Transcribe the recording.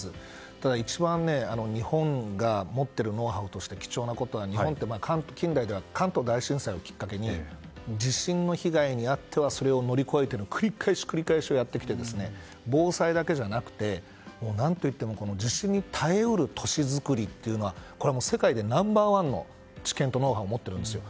ただ一番、日本が持っているノウハウとして貴重なことは日本は、近代では関東大震災をきっかけに地震の被害に遭ってはそれを乗り越えて繰り返し繰り返しやってきて防災だけじゃなくて何といっても地震に耐え得る都市作りというのはこれは世界でナンバー１の知見とノウハウを持っているんですよ。